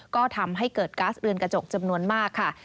ก็ทำให้เกิดก๊าซเรือนกระจกจำนวนมากค่ะ